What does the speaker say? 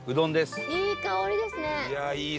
高橋：いい香りですね！